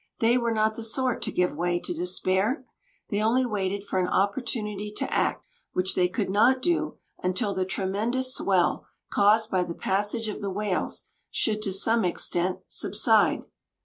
They were not the sort to give way to despair. They only waited for an opportunity to act, which they could not do until the tremendous swell, caused by the passage of the whales, should to some extent subside.